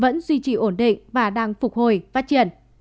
vẫn duy trì ổn định và đang phục hồi phát triển